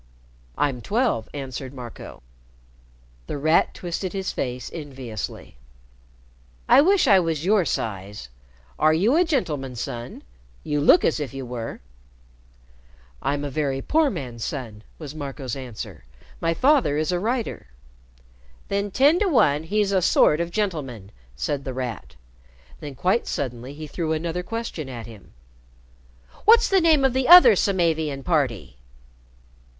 "I'm twelve," answered Marco. The Rat twisted his face enviously. "I wish I was your size! Are you a gentleman's son? You look as if you were." "I'm a very poor man's son," was Marco's answer. "My father is a writer." "Then, ten to one, he's a sort of gentleman," said The Rat. Then quite suddenly he threw another question at him. "What's the name of the other Samavian party?"